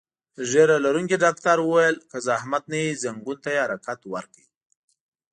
ږیره لرونکي ډاکټر وویل: که زحمت نه وي، ځنګون ته یې حرکت ورکړئ.